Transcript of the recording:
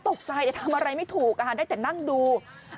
ตกใจแต่ทำอะไรไม่ถูกได้แต่นั่งดู